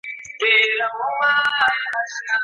چي د مار بچی ملګری څوک په غېږ کي ګرځوینه